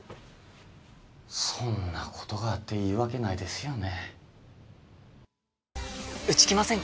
そんなことがあっていいわけないですよね。